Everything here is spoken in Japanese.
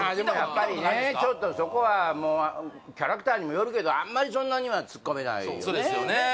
やっぱりねちょっとそこはキャラクターにもよるけどあんまりそんなにはツッコめないよね